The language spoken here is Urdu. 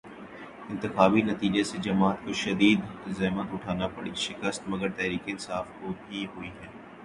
انتخابی نتیجے سے جماعت کو شدید ہزیمت اٹھانا پڑی، شکست مگر تحریک انصاف کو بھی ہوئی ہے۔